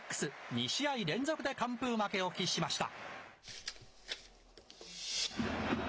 ２試合連続で完封負けを喫しました。